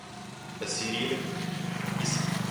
Assíria e Síria